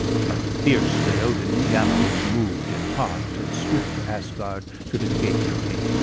But fiercely Odin gallop'd, moved in heart; And swift to Asgard, to the gate, he came.